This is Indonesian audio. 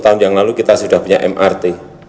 lima tahun yang lalu kita sudah punya mrt